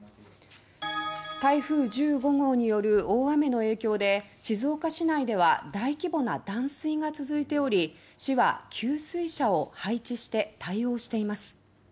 台風１５号による大雨の影響で静岡市内では大規模な断水が続いており市は給水車を配置して対応しています。